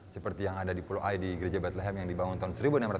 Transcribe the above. seperti yang ada di pulau ai di gereja batleham yang dibangun tahun seribu enam ratus